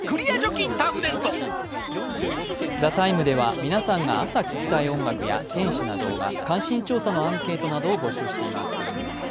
「ＴＨＥＴＩＭＥ，」では皆さんが朝聴きたい音楽や天使な動画、関心調査のアンケートなどを募集しています。